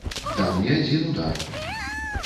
Там не адзін удар.